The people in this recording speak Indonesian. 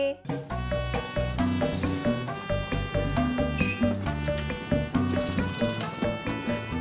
ia sudah selesai